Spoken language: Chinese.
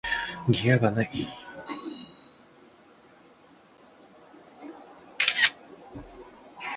能一秒不爱的都是神人了